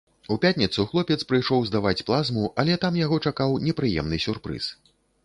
У пятніцу хлопец прыйшоў здаваць плазму, але там яго чакаў непрыемны сюрпрыз.